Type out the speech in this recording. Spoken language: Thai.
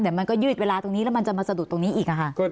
แต่มันก็ยืดเวลาตรงนี้แล้วมันจะมาสะดุดตรงนี้อีกค่ะ